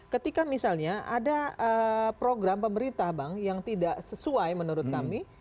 ketika misalnya ada program pemerintah bang yang tidak sesuai menurut kami